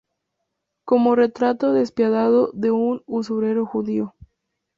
Como retrato despiadado de un usurero judío.